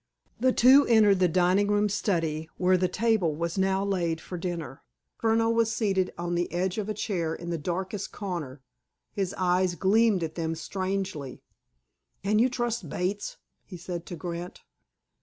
The two entered the dining room study, where the table was now laid for dinner. Furneaux was seated on the edge of a chair in the darkest corner. His eyes gleamed at them strangely. "Can you trust Bates?" he said to Grant.